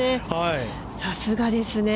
さすがですね。